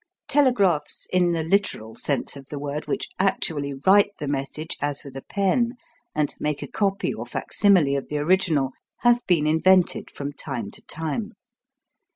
Telegraphs, in the literal sense of the word, which actually write the message as with a pen, and make a copy or facsimile of the original, have been invented from time to time.